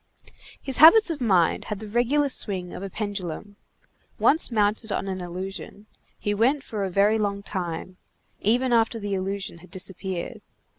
His habits of mind had the regular swing of a pendulum. Once mounted on an illusion, he went for a very long time, even after the illusion had disappeared.